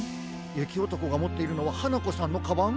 ゆきおとこがもっているのははなこさんのカバン！？